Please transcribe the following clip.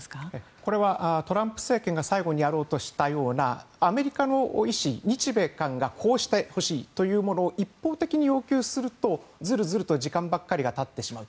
これはトランプ政権が最後にやろうとしたようなアメリカの意思、日米韓がこうしてほしいというものを一方的に要求するとずるずると時間が経ってしまう。